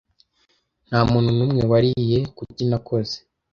Ntamuntu numwe wariye kuki nakoze.